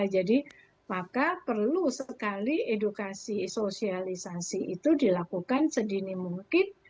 jadi maka perlu sekali edukasi sosialisasi itu dilakukan sedini mungkin